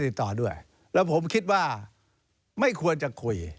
นี่นี่นี่นี่